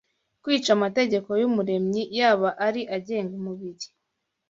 Kwica amategeko y’Umuremyi, yaba ari agenga umubiri